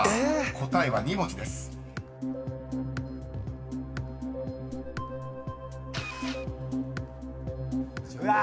答えは２文字です］うわ！